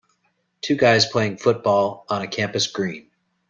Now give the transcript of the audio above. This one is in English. Two guys playing football on a campus green.